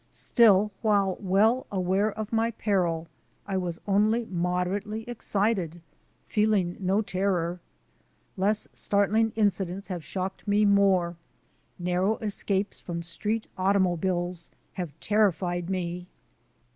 Still, while well aware of my peril, I w : as only moderately excited, feeling no terror. Less start ling incidents have shocked me more, narrow escapes from street automobiles have terrified me.